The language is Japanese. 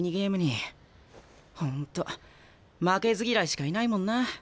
本当負けず嫌いしかいないもんなあ